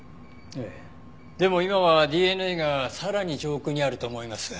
でも今はＤＮＡがさらに上空にあると思います。